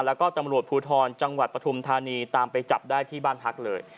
แล้วก็ตำรวจภูทรจังหวัดปฐุมธานีตามไปจับได้ที่บ้านพักเลย